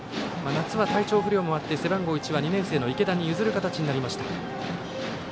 夏は体調不良もあって背番号１は２年生の池田に譲る形になりました。